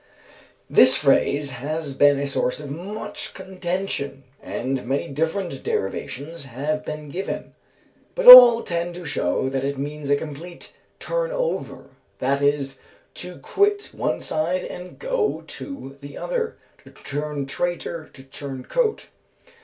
_ This phrase has been a source of much contention, and many different derivations have been given; but all tend to show that it means a complete turn over, that is, to quit one side and go to the other, to turn traitor, to turncoat.